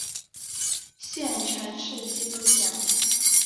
县成事迹不详。